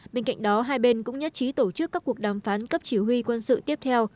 bên cạnh đó hai bên cũng nhất trí tổ chức các cuộc đàm phán cấp chỉ huy quân sự tiếp theo